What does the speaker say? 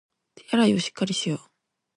手洗いをしっかりしよう